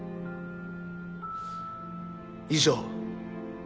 以上。